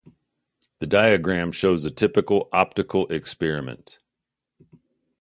The diagram shows a typical optical experiment.